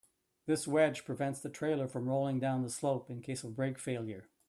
This wedge prevents the trailer from rolling down the slope in case of brake failure.